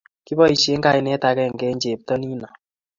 Kiboisien kainet agenge ak chepto nino